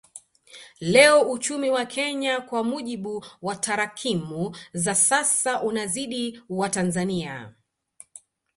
Leo uchumi wa Kenya kwa mujibu wa tarakimu za sasa unazidi wa Tanzania